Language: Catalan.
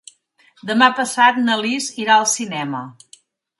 Demà passat na Lis irà al cinema.